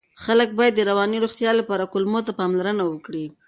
خلک باید د رواني روغتیا لپاره کولمو ته پاملرنه وکړي.